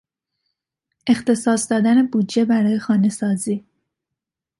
اختصاص دادن بودجه برای خانهسازی